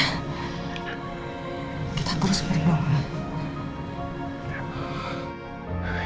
kita terus berdoa